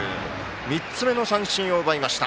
３つ目の三振を奪いました。